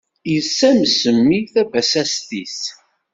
Yessames mmi tabasast-is.